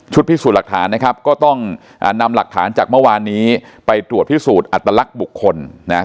พิสูจน์หลักฐานนะครับก็ต้องนำหลักฐานจากเมื่อวานนี้ไปตรวจพิสูจน์อัตลักษณ์บุคคลนะ